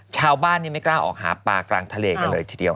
ชาวบ้านไม่กล้าออกหาปลากลางทะเลกันเลยทีเดียว